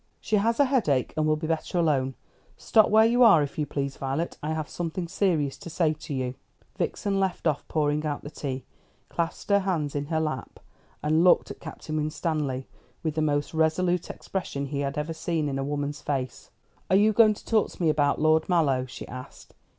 "She has a headache and will be better alone. Stop where you are, if you please, Violet. I have something serious to say to you." Vixen left off pouring out the tea, clasped her hands in her lap, and looked at Captain Winstanley with the most resolute expression he had ever seen in a woman's face. "Are you going to talk to me about Lord Mallow?" she asked.